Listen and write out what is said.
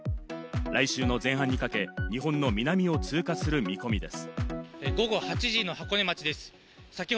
来週の前半にかけ、日本の南を通過する見込みです。